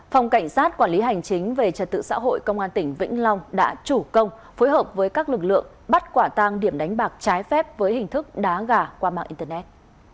phòng cảnh sát quản lý hành chính về trật tự xã hội công an tỉnh vĩnh long đã chủ công phối hợp với các lực lượng bắt quả tang điểm đánh bạc trái phép với hình thức đá gà qua mạng internet